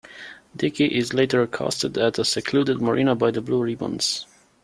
Dickey is later accosted at a secluded marina by the Blue Ribbons.